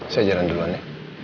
saya jalan duluan ya